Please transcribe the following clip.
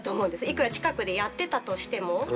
いくら近くでやってたとしても。